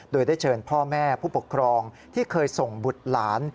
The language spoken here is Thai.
โดยได้เชิญพ่อแม่ผู้ปกครองที่เคยส่งบุตรหลาน